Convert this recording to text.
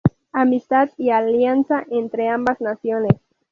Amistad y alianza entre ambas naciones.